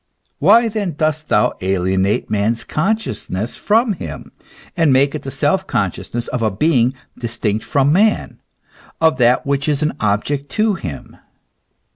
Why then dost thou alienate man's consciousness from him, and make it the self conscious ness of a being distinct from man, of that which is an object to him